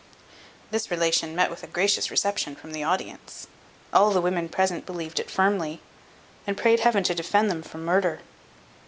This relation met with a gracious reception from the audience. All the women present believed it firmly, and prayed Heaven to defend them from murder.